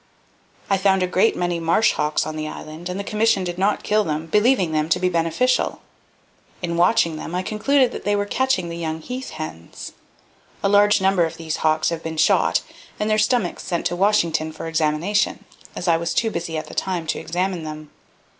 "I found a great many marsh hawks on the Island and the Commission did not kill them, believing them to be beneficial. In watching them, I concluded that they were catching the young heath hens. A large number of these hawks have been shot and their stomachs sent to Washington for examination, as I was too busy at the time to examine them.